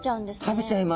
食べちゃいます。